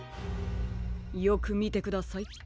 よくみてください。